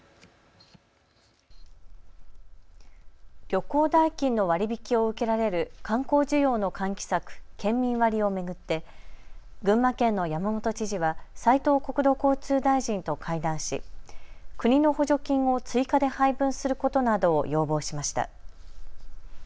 旅行代金の割り引きを受けられる観光需要の喚起策、県民割を巡って群馬県の山本知事は斉藤国土交通大臣と会談し国の補助金を追加で配分することなどを要望しました。